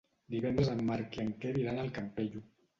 Divendres en Marc i en Quer iran al Campello.